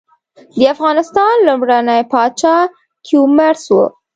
د افغانستان لومړنی پاچا کيومرث وه.